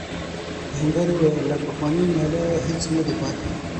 آهنګر وویل له پخواني ناله هیڅ نه دی پاتې.